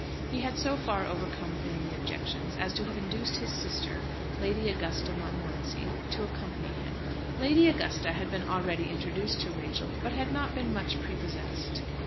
He had so far overcome family objections as to have induced his sister, Lady Augusta Montmorency, to accompany him. Lady Augusta had been already introduced to Rachel, but had not been much prepossessed.